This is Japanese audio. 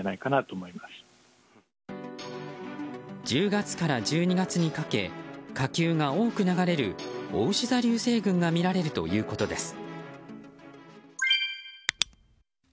１０月から１２月にかけ火球が多く流れるおうし座流星群が見られるということです。